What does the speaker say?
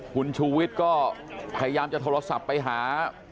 คุณชูวิทย์ก็พยายามจะโทรศัพท์ไปหา